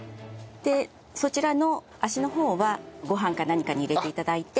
でそちらの足の方はご飯か何かに入れて頂いて。